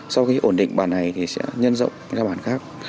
sau khi ổn định bản này thì sẽ nhân rộng ra bản khác